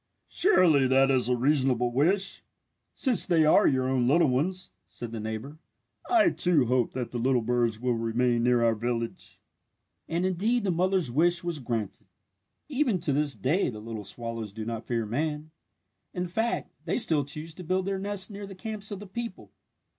"Surely that is a reasonable wish since they are your own little ones," said the neighbour. "I, too, hope that the little birds will remain near our village!" And indeed the mother's wish was granted. Even to this day the little swallows do not fear man. In fact, they still choose to build their nests near the camps of the people.